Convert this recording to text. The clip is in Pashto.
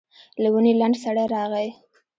له ونې لنډ سړی راغی.